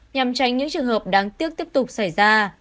nhằm tránh những trường hợp đáng tiếc tiếp tục xảy ra